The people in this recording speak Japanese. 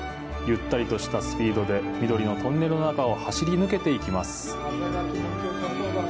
ゆったりとしたスピードで緑のトンネルの中を走り抜けていきます。